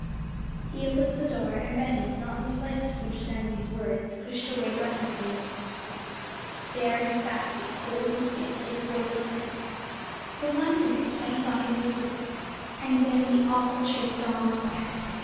He opened the door, and Betty, not in the slightest understanding his words, pushed her way breathlessly in. There in his basket, cold and stiff, lay poor little Prince! For one minute Betty thought he was asleep, and then the awful truth dawned upon her.